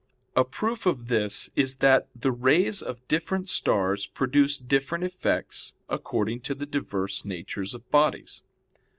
A proof of this is that the rays of different stars produce different effects according to the diverse natures of bodies.